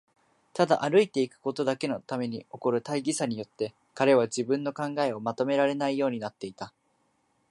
ただ歩いていくことだけのために起こる大儀さによって、彼は自分の考えをまとめられないようになっていた。